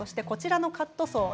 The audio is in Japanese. こちらの白いカットソー